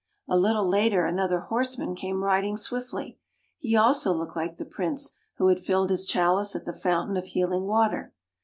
A little later another horseman came rid ing swiftly. He also looked like the Prince who had filled his chalice at the fountain of healing water.